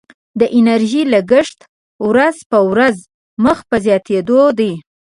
د انرژي لګښت ورځ په ورځ مخ په زیاتیدو دی.